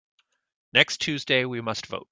Next Tuesday we must vote.